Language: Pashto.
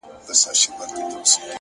د خپل جېبه د سگريټو يوه نوې قطۍ وا کړه’